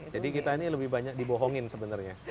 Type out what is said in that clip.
jadi kita ini lebih banyak dibohongin sebenarnya